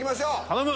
頼む！